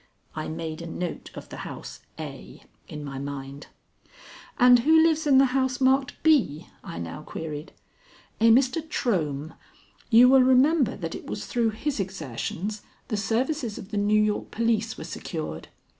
I made a note of the house A in my mind. "And who lives in the house marked B?" I now queried. "A Mr. Trohm. You will remember that it was through his exertions the services of the New York police were secured.